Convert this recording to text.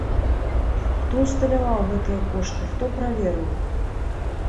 Хто ўсталяваў гэтыя кошты, хто праверыў?